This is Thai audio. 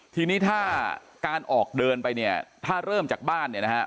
ทีนี้ถ้าการออกเดินไปเนี่ยถ้าเริ่มจากบ้านเนี่ยนะฮะ